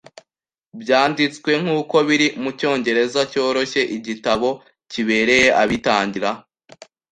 Byanditswe nkuko biri mucyongereza cyoroshye, igitabo kibereye abitangira.